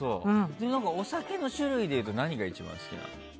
お酒の種類でいうと何が一番好きなの？